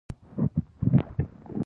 د کلي د کاریز اوبه په ژمي کې تودې وې.